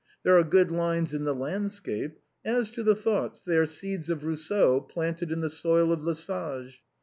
There are good lines in the landscape; as to the thoughts, they are seeds of Eousseau planted in the soil of Lesage.